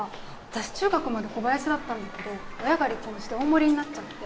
私中学まで小林だったんだけど親が離婚して大森になっちゃって